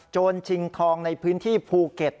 ชิงทองในพื้นที่ภูเก็ต